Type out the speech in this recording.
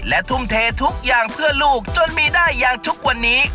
และทุ่มเททุกอย่างเพื่อลูกจนมีได้อย่างทุกวันนี้